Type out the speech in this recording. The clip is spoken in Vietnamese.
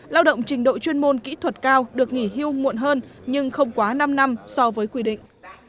lao động trình độ chuyên môn kỹ thuật cao được nghỉ hưu muộn hơn nhưng không quá năm năm so với quy định